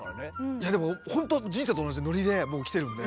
いやでもほんと人生と同じでノリでもうきてるんで。